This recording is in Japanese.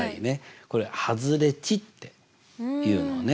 これ外れ値っていうのね。